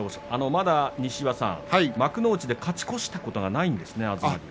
まだ西岩さん、幕内で東龍勝ち越したことがないんですね。